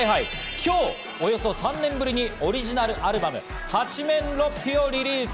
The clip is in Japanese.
今日およそ３年ぶりにオリジナルアルバム『八面六臂』をリリース。